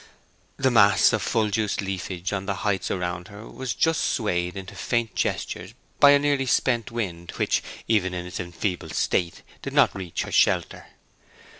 The mass of full juiced leafage on the heights around her was just swayed into faint gestures by a nearly spent wind which, even in its enfeebled state, did not reach her shelter.